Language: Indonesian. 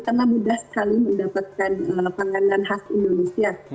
karena mudah sekali mendapatkan panganan khas indonesia